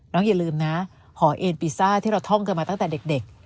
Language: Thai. อย่าลืมนะหอเอนปีซ่าที่เราท่องกันมาตั้งแต่เด็ก